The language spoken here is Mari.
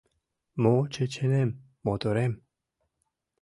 — Мо, чеченем, моторем